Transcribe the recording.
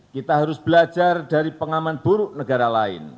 kita harus belajar dari pengaman buruk negara lain